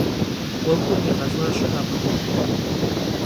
'Uexum yiğelh'a şı'ekhım.